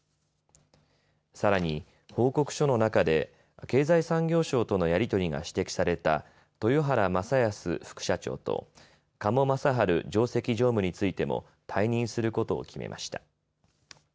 さらに、報告書の中で経済産業省とのやり取りが指摘された豊原正恭副社長と加茂正治上席常務についても退任することを決めました。